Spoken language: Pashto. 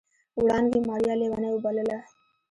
وړانګې ماريا ليونۍ وبلله.